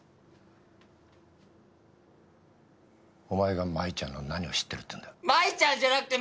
お前が真衣ちゃんの何を知ってるっていうんだ？